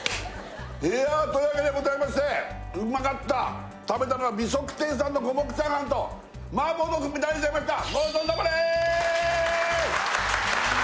いやというわけでございましてうまかった食べたのは美食亭さんの五目チャーハンと麻婆豆腐も食べちゃいました